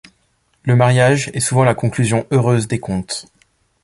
Le mariage est souvent la conclusion heureuse des contes.